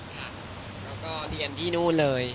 ค่ะแล้วก็เรียนที่นู่นเลย